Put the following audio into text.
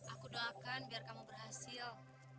aku doakan biar kamu berhasil